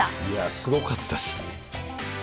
すごかったです。